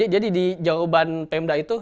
jadi di jawaban pemda itu